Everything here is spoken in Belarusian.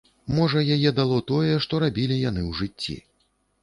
Можа яе дало тое, што рабілі яны ў жыцці.